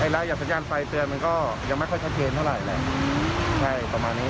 แล้วอย่างสักอย่างไฟเตือนมันก็ไม่ค่อยใช้เคนเท่าไรแหล่ะ